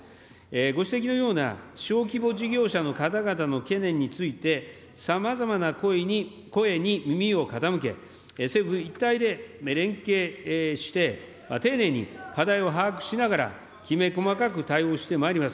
ご指摘のような小規模事業者の方々の懸念について、さまざまな声に耳を傾け、政府一体で連携して、丁寧に課題を把握しながら、きめ細かく対応してまいります。